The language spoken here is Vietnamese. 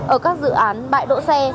ở các dự án bãi đỗ xe